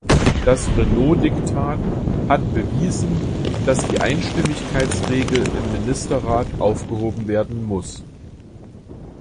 Das Renault-Diktat hat bewiesen, dass die Einstimmigkeitsregel im Ministerrat aufgehoben werden muss.